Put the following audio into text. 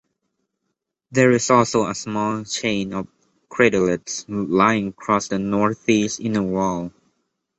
There is also a small chain of craterlets lying across the northeast inner wall.